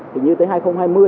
thì như tới hai nghìn hai mươi